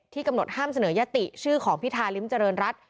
กำหนดห้ามเสนอยติชื่อของพิธาริมเจริญรัฐ